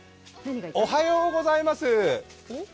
おはようございます！